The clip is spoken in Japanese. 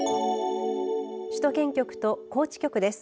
首都圏局と高知局です。